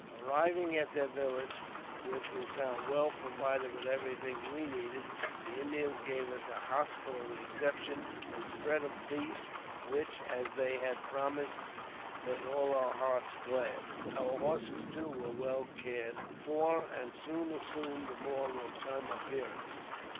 Arrived at their village, which we found well provided with everything we needed, the Indians gave us a hospitable reception, and spread a feast which, as they had promised, " made all our hearts glad." Our horses, too, were well cared for, and soon assumed a more rotund appearance.